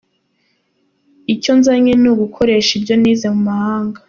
Icyo nzanye ni gukoresha ibyo nize mu mahanga.